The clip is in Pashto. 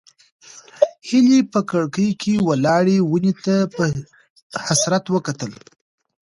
هیلې په کړکۍ کې ولاړې ونې ته په حسرت وکتل.